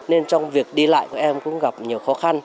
nên trong việc đi lại của em cũng gặp nhiều khó khăn